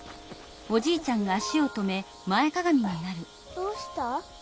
どうした？